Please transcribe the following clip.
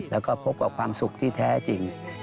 แล้วก็พบกับความสุขที่แท้จริง